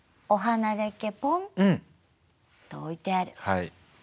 はい。